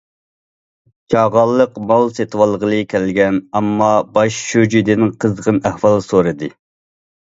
چاغانلىق مال سېتىۋالغىلى كەلگەن ئامما باش شۇجىدىن قىزغىن ئەھۋال سورىدى.